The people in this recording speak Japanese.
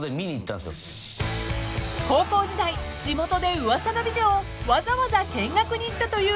［高校時代地元で噂の美女をわざわざ見学に行ったという伊藤さん］